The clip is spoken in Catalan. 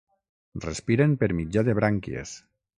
Respiren per mitjà de brànquies.